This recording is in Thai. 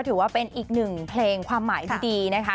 ถือว่าเป็นอีกหนึ่งเพลงความหมายที่ดีนะคะ